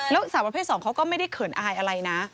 แล้วสาวประเภท๒เขาก็ไม่ได้เขินอายอะไรนะ